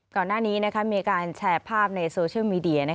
ก่อนหน้านี้มีการแชร์ภาพในโซเชียลมีเดีย